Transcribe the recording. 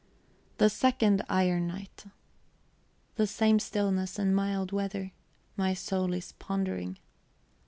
The second iron night; the same stillness and mild weather. My soul is pondering.